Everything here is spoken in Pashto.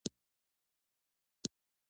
د بوټانو جوړولو صنعت وده کړې